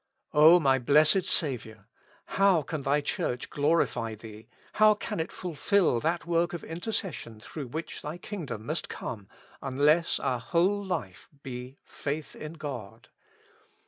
O my Blessed Saviour ! how can Thy Church glo rify Thee, how can it fulfil that work of intercession through which Thy kindom must come, unless our whole life be faith in God.